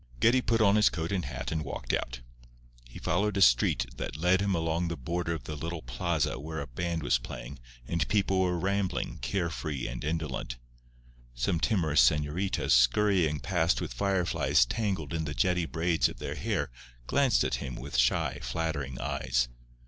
Geddie put on his coat and hat and walked out. He followed a street that led him along the border of the little plaza where a band was playing and people were rambling, care free and indolent. Some timorous señoritas scurrying past with fire flies tangled in the jetty braids of their hair glanced at him with shy, flattering eyes.